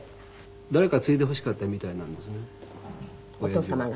誰か継いでほしかったみたいなんですね親父は。